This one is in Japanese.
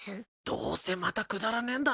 どうせまたくだらねえんだろ。